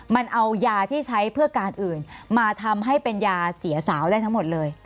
มันเอายาที่ใช้เพื่อการอื่นมาทำให้เป็นยาเสียสาวได้ทั้งหมดเลย